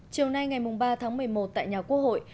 chiều nay ngày ba tháng một mươi một tại nhà quốc hội